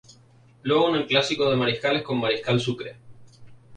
Luego en el Clásico de Mariscales con Mariscal Sucre.